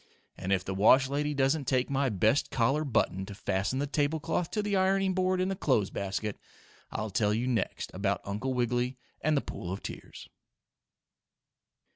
And if the wash lady doesn't take my best collar button to fasten the tablecloth to the ironing board in the clothes basket, I'll tell you next about Uncle Wiggily and the pool of tears.